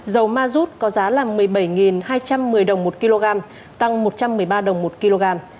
dầu ma rút có giá là một mươi bảy hai trăm một mươi đồng một kg tăng một trăm một mươi ba đồng một kg